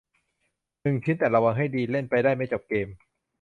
หนึ่ง ชิ้น แต่ระวังให้ดี เล่นไปได้ไม่จบเกม